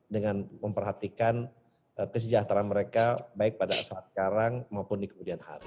dengan memperhatikan kesejahteraan mereka baik pada saat sekarang maupun di kemudian hari